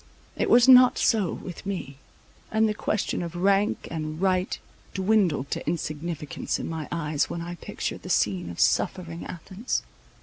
It was not so with me; and the question of rank and right dwindled to insignificance in my eyes, when I pictured the scene of suffering Athens.